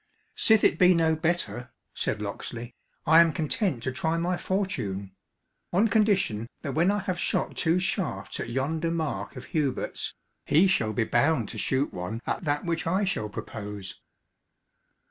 "Sith it be no better," said Locksley, "I am content to try my fortune; on condition that when I have shot two shafts at yonder mark of Hubert's, he shall be bound to shoot one at that which I shall propose."